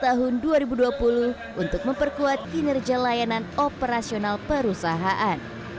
pesawat ini akan dikirimkan pada akhir tahun dua ribu dua puluh untuk memperkuat kinerja layanan operasional perusahaan